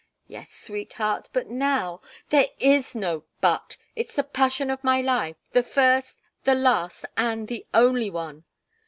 "Yes, sweetheart, but now " "There is no 'but' it's the passion of my life the first, the last, and the only one!"